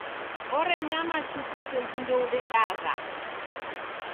Orenyama chuku seji ndoudedagha.